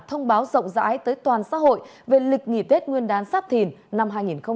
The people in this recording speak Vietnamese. thông báo rộng rãi tới toàn xã hội về lịch nghỉ tết nguyên đán sắp thìn năm hai nghìn hai mươi bốn